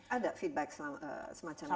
ada feedback semacam itu sampai hari ini